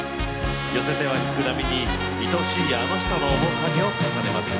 寄せては引く波にいとしいあの人の面影を重ねます。